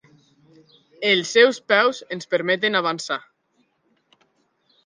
Els seus peus ens permeten avançar.